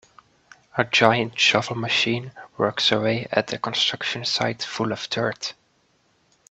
A giant shovel machine works away at a construction sight full of dirt.